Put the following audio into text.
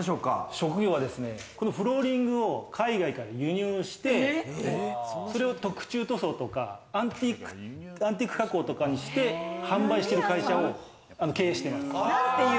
職業はですね、このフローリングを海外から輸入して、それを特殊塗装とか、アンティーク加工とかにして、販売してる会社を経営してます。